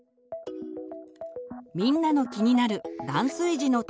みんなの気になる断水時のトイレ。